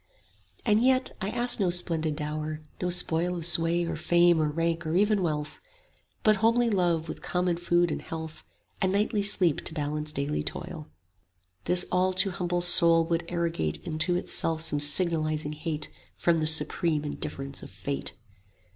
"And yet I asked no splendid dower, no spoil Of sway or fame or rank or even wealth; 15 But homely love with common food and health, And nightly sleep to balance daily toil." "This all too humble soul would arrogate Unto itself some signalising hate From the supreme indifference of Fate!"